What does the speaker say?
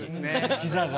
ひざが。